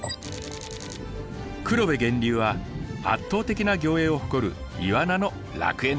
黒部源流は圧倒的な魚影を誇るイワナの楽園です！